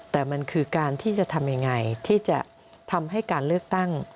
แต่มันคือการที่จะทำยังไงที่จะทำให้การเลือกตั้ง